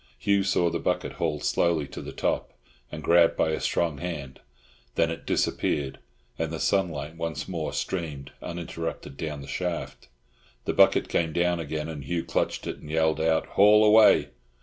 Hugh saw the body hauled slowly to the top and grabbed by a strong hand; then it disappeared, and the sunlight once more streamed, uninterrupted, down the shaft. The bucket came down again, and Hugh clutched it and yelled out, "Haul away!"